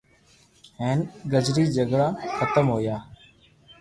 ھين گڄري جگڙا ختم ھويا